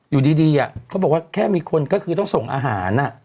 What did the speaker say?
อยู่ดีเขาบอกว่าแค่มีคนก็คือต้องส่งอาหาร